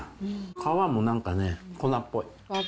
皮もなんかね、粉っぽい。